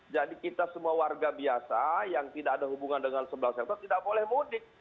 kita semua warga biasa yang tidak ada hubungan dengan sebelah sektor tidak boleh mudik